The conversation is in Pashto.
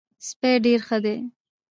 سپی ډېر ښه دی.